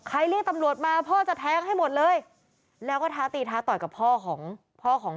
เรียกตำรวจมาพ่อจะแทงให้หมดเลยแล้วก็ท้าตีท้าต่อยกับพ่อของพ่อของ